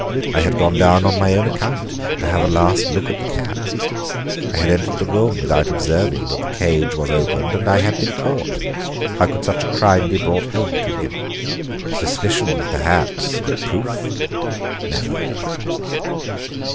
I had gone down on my own account to have a last look at the cat. I had entered the room without observing that the cage was opened, and I had been caught. How could such a crime be brought home to him? Suspicion, perhaps but proof, never!